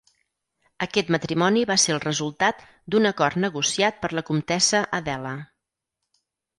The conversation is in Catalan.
Aquest matrimoni va ser el resultat d'un acord negociat per la comtessa Adela.